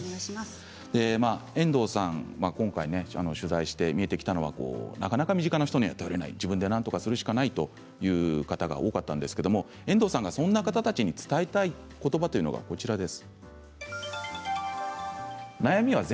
今回、取材して見えてきたのはなかなか身近な人には頼れない自分でなんとかするしかないという人も多かったんですが遠藤さんが、そんな方たちに伝えたい言葉というのがあります。